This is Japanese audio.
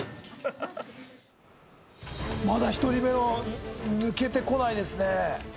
まだ１人目の抜けてこないですね